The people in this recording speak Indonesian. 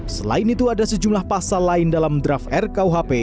selain itu ada sejumlah pasal lain dalam draft rkuhp